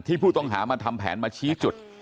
ผู้ต้องหามาทำแผนมาชี้จุด